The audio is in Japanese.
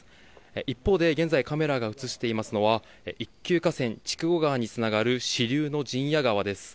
一方で現在、カメラが映していますのは一級河川、筑後川につながる支流のじんや川です。